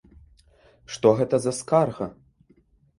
Што гэта за скарга?